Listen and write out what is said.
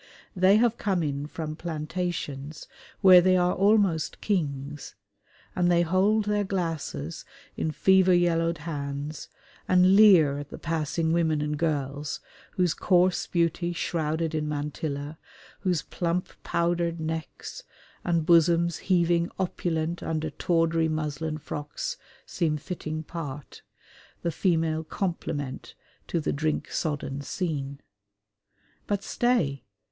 They have come in from plantations where they are almost kings, and they hold their glasses in fever yellowed hands, and leer at the passing women and girls, whose coarse beauty shrouded in mantilla, whose plump powdered necks, and bosoms heaving opulent under tawdry muslin frocks seem fitting part, the female complement to the drink sodden scene. But stay!